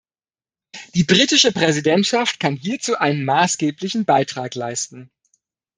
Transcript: Die britische Präsidentschaft kann hierzu einen maßgeblichen Beitrag leisten.